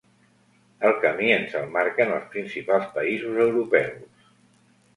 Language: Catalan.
El camí ens el marquen els principals països europeus.